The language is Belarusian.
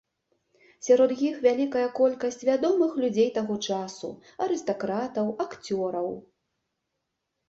Сярод іх вялікая колькасць вядомых людзей таго часу, арыстакратаў, акцёраў.